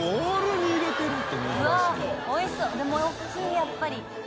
やっぱり。